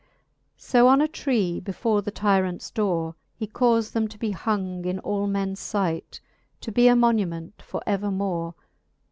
So on a tree, before the tyrants dore, He caufed them be hung in all mens fight, To be a moniment for evermore.